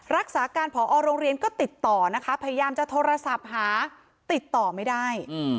รักษาการผอโรงเรียนก็ติดต่อนะคะพยายามจะโทรศัพท์หาติดต่อไม่ได้